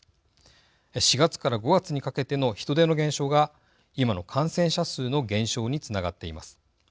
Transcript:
４月から５月にかけての人出の減少が今の感染者数の減少につながっています。